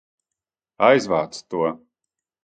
Aizvāc to!